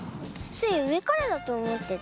スイうえからだとおもってた。